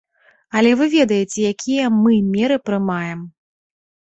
Але вы ведаеце, якія мы меры прымаем.